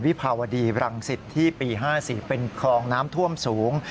วิภาวดีรังสิตที่ปี๕๔เป็นคลองน้ำท่วมสูง